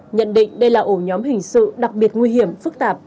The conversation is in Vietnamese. nhận định đây là ổ nhóm hình sự đặc biệt nguy hiểm phức tạp